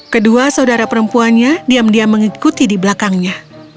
kedua saudara perempuannya diam diam mengikuti di belakangnya